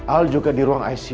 al juga di ruang icu